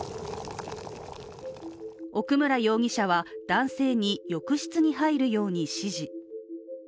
奥村容疑者は、男性に浴室に入るように指示。